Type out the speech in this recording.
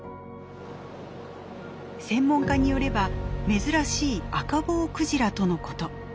専門家によれば珍しいアカボウクジラとのこと。